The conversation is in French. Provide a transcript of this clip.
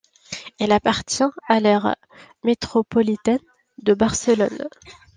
Elle appartient à l'aire métropolitaine de Barcelone.